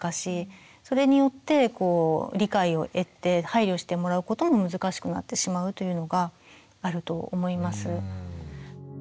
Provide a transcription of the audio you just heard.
それによって理解を得て配慮してもらうことも難しくなってしまうというのがあると思います。